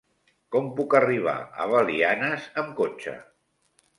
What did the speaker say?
Com puc arribar a Belianes amb cotxe?